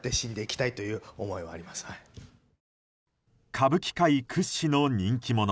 歌舞伎界屈指の人気者